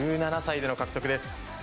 １７歳での獲得です。